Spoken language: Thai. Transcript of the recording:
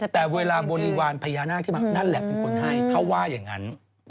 แต่เวลาบริวารพญานาคที่มานั่นแหละเป็นคนให้เขาว่าอย่างนั้น